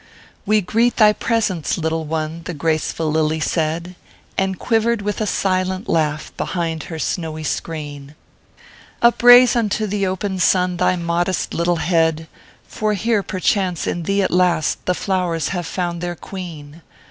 "\\ e greet thy presence, little one," the graceful Lily said, And quivered with a silent laugh behind her snowy screen, " Upraise unto the open sun thy modest little head ; For here, perchance, in thee at last the Flow rs have found their queen."